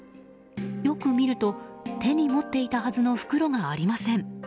よく見ると手に持っていたはずの袋がありません。